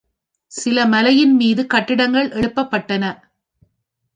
சிறு மலையின்மீது கட்டிடங்கள் எழுப்பப்பட்டன.